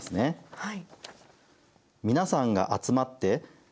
はい。